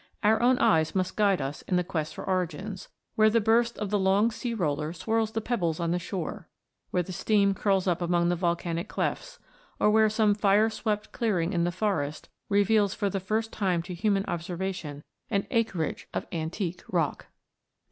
Our own eyes must guide us in the quest for origins, where the burst of the long sea roller swirls the pebbles on the shore, where the steam curls up among volcanic clefts, or where some fire swept clearing in the forest reveals for the first time to human observa tion an acreage of antique rock.